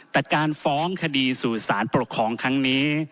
แต่การฟ้องคดีสู่สารปกครองครั้งนี้